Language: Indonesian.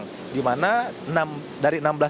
kemudian untuk jalur prestasi enam belas orang